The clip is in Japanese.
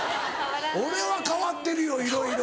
俺は変わってるよいろいろ。